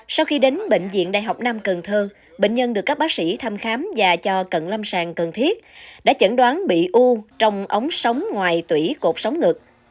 sau khi đến bệnh viện đại học nam cần thơ bệnh nhân được các bác sĩ thăm khám và cho cận lâm sàng cần thiết đã chẩn đoán bị u trong ống sống ngoài tủy cột sống ngực